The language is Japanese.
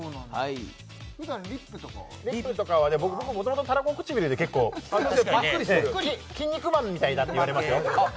普段リップとかはリップとかは僕元々たらこ唇で結構キン肉マンみたいだって言われますよ